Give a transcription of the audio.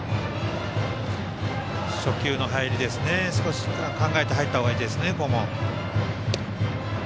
初球の入り少し考えて入った方がいいですね。